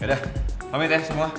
yaudah pamit ya semua